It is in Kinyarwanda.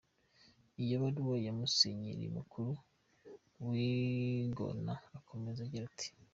Iyo baruwa ya Musenyeri mukuru Vigano ikomeza igira iti:.